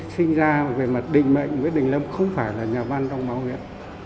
sinh ra về mặt định mệnh nguyễn đình lâm không phải là nhà văn trong máu việt